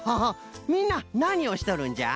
みんななにをしとるんじゃ？